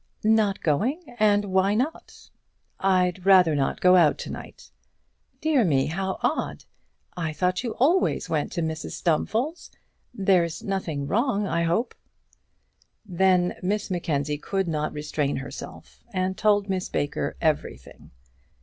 "Not going! and why not?" "I'd rather not go out to night." "Dear me, how odd. I thought you always went to Mrs Stumfold's. There's nothing wrong, I hope?" Then Miss Mackenzie could not restrain herself, and told Miss Baker everything.